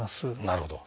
なるほど。